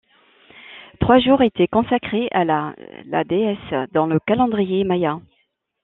Trois jours étaient consacrés à la la déesse dans le calendrier maya.